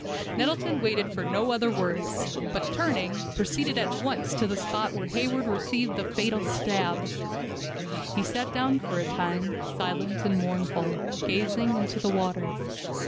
Nettleton waited for no other words, but turning, proceeded at once to the spot where Hayward received the fatal stab. He sat down for a time, silent and mournful, gazing into the water.